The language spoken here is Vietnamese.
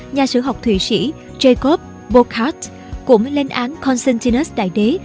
nhà sử học thụy sĩ jacob bocart cũng lên án constantinus đại đế